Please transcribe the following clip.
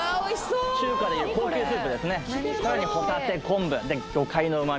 中華でいう高級スープですねさらにホタテ昆布で魚介の旨み